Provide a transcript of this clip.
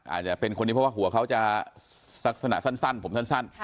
อาจจะเป็นคนนี้เพราะว่าหัวเขาจะลักษณะสั้นผมสั้น